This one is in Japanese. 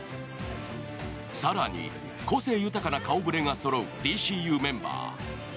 更に、個性豊かな顔ぶれがそろう「ＤＣＵ」メンバー。